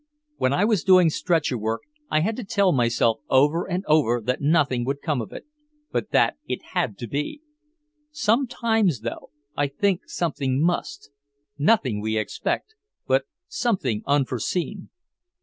When I was doing stretcher work, I had to tell myself over and over that nothing would come of it, but that it had to be. Sometimes, though, I think something must.... Nothing we expect, but something unforeseen."